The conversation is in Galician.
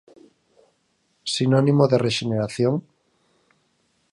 Sinónimo de rexeneración?